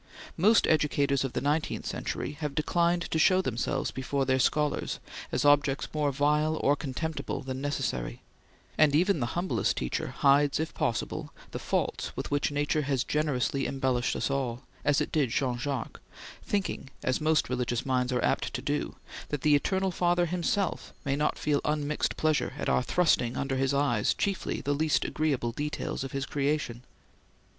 Most educators of the nineteenth century have declined to show themselves before their scholars as objects more vile or contemptible than necessary, and even the humblest teacher hides, if possible, the faults with which nature has generously embellished us all, as it did Jean Jacques, thinking, as most religious minds are apt to do, that the Eternal Father himself may not feel unmixed pleasure at our thrusting under his eyes chiefly the least agreeable details of his creation.